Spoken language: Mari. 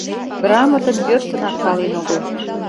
Грамотым йӧршынак пален огыл.